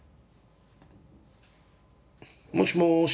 もしもし。